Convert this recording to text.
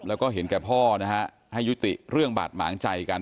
แล้วก็เห็นแก่พ่อนะฮะให้ยุติเรื่องบาดหมางใจกัน